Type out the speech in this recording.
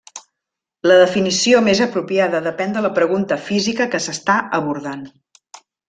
La definició més apropiada depèn de la pregunta física que s'està abordant.